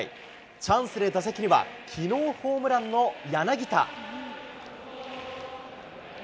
チャンスで打席にはきのうホームランの柳田。